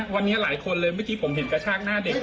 วันนี้หลายคนเลยเมื่อกี้ผมเห็นกระชากหน้าเด็ก